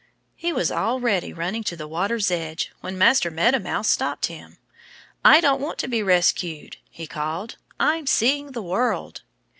He was already running to the water's edge when Master Meadow Mouse stopped him. "I don't want to be rescued," he called. "I'm seeing the world."